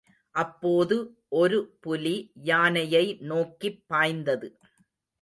அப்போது ஒரு புலி யானையை நோக்கிப் பாய்ந்தது.